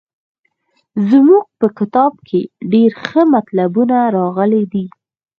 زموږ په کتاب کې ډېر ښه مطلبونه راغلي دي.